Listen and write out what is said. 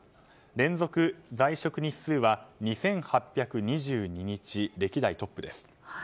連続在職日数は２８２２日で歴代トップです。